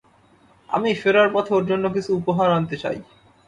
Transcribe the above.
আমি ফেরার পথে ওর জন্যে কিছু উপহাের আনতে চাই।